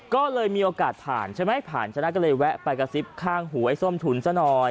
ก็เลยมีโอกาสผ่านใช่ไหมผ่านชนะก็เลยแวะไปกระซิบข้างหูไอ้ส้มถุนซะหน่อย